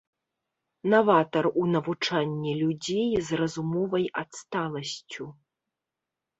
Наватар у навучанні людзей з разумовай адсталасцю.